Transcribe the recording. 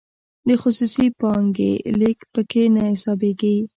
د خصوصي پانګې لیږد پکې نه حسابیږي.